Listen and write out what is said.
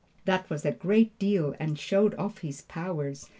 That was a great deal and showed off his powers.